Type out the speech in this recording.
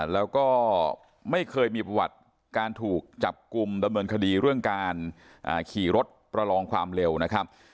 แล้วก็ไม่เคยมีประวัติการถูกจับกลุ่มดำเนินคดีเรื่องการขี่รถประลองความเร็วนะครับ